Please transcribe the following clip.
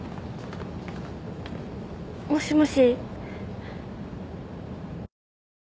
もしもし？